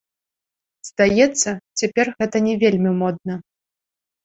Здаецца, цяпер гэта не вельмі модна.